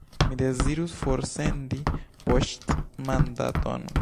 Mi dezirus forsendi poŝtmandaton.